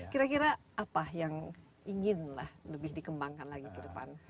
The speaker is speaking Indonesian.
kira kira apa yang inginlah lebih dikembangkan lagi ke depan